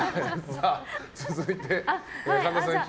続いて、神田さん。